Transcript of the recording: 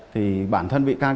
thì bản thân bị can